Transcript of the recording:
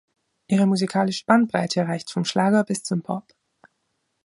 Ihre musikalische Bandbreite reicht vom Schlager bis zum Pop.